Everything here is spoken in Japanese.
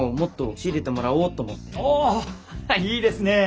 おいいですねえ！